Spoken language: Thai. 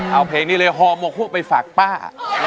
เอาเพลงนี้เลยฮมฮไปฝากป๊า